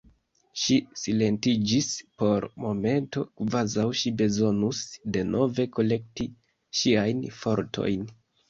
Ŝi silentiĝis por momento, kvazaŭ ŝi bezonus denove kolekti siajn fortojn.